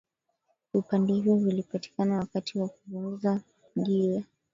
vipande hivyo vilipatikana wakati wa kupunguza jiwe